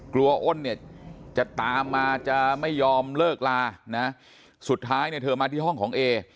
อ้นเนี่ยจะตามมาจะไม่ยอมเลิกลานะสุดท้ายเนี่ยเธอมาที่ห้องของเอ